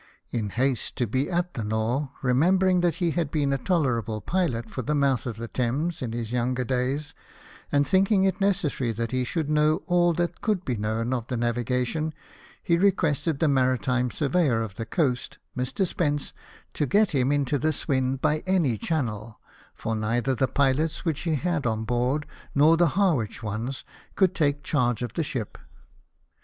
In haste to be at the Nore, re membering that he had been a tolerable pilot for the mouth of the Thames in his younger days, and thinking it necessary that he should know all that could be known of the navigation, he requested the maritime surveyor of the coast, Mr. Spence, to get him into the Swin by any channel, for neither the pilots which he had on board nor the Harwich ones would take charge of the ship.